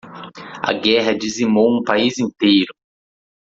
A guerra dizimou um país inteiro